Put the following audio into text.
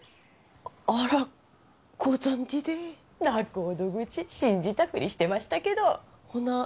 あらご存じで仲人口信じたふりしてましたけどほな